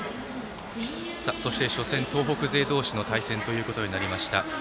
そして初戦、東北勢同士の対戦となりました。